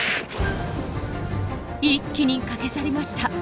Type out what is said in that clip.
一気に駆け去りました。